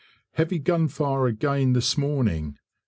Heavy gunfire again this morning.